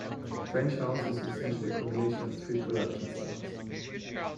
French house is essentially a combination of three production styles.